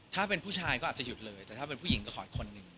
ถ้าเป็นผู้ชายก็อาจจะหยุดเลยแต่ถ้าเป็นผู้หญิงก็ขออีกคนนึง